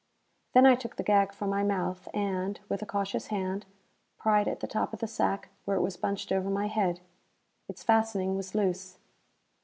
Then I took the gag from my mouth and, with a cautious hand, pried at the top of the sack where it was bunched over my head. Its fastening was loose.